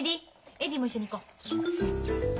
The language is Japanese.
エディも一緒に行こう。